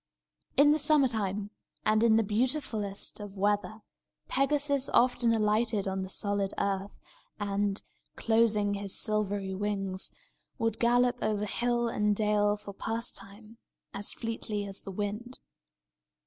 In the summer time, and in the beautifullest of weather, Pegasus often alighted on the solid earth, and, closing his silvery wings, would gallop over hill and dale for pastime, as fleetly as the wind.